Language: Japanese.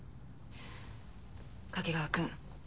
掛川くん。